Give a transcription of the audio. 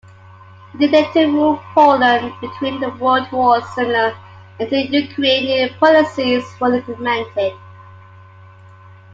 In dictator-ruled Poland between the World Wars, similar anti-Ukrainian policies were implemented.